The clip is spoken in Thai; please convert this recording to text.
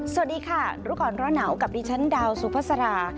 สวัสดีค่ะรุ่นก่อนร้อนหนาวกลับดีชั้นดาวสุพธิษฐรา